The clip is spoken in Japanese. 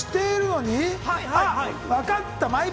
わかった！